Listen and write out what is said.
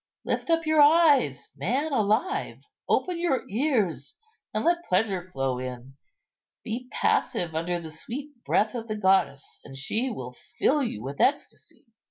Lift up your eyes, man alive, open your ears, and let pleasure flow in. Be passive under the sweet breath of the goddess, and she will fill you with ecstasy."